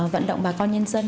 vận động bà con nhân dân